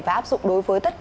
và áp dụng đối với tổng thống